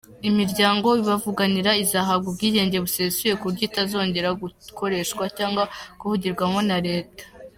Imiryango ibavuganira izahabwa ubwigenge busesuye kuburyo itazongera gukoreshwa cyangwa kuvugirwamo na leta.